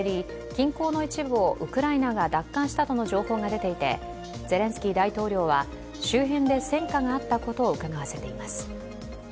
近郊の一部をウクライナが奪還したとの情報が出ていて、ゼレンスキー大統領は周辺で戦果があったことをうかがわせています。